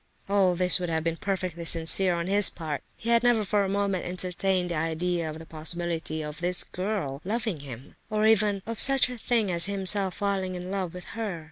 All this would have been perfectly sincere on his part. He had never for a moment entertained the idea of the possibility of this girl loving him, or even of such a thing as himself falling in love with her.